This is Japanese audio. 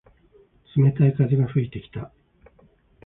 冷たい風が吹いてきた。